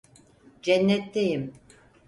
Cennetteyim